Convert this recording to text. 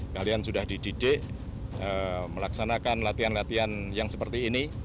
kalian sudah dididik melaksanakan latihan latihan yang seperti ini